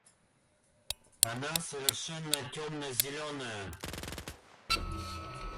Она совершенно темно-зеленая.